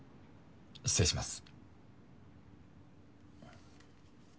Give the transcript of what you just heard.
失礼します。